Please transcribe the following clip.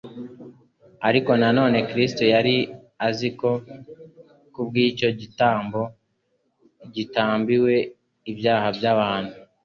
Ariko na none Kristo yari azi ko kubw' icyo gitambo gitambiwe ibyaha by'abantu,